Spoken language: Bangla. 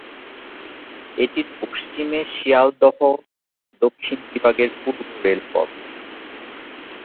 এটির পশ্চিমে শিয়ালদহ দক্ষিণ বিভাগ এর পূর্ব রেলপথ।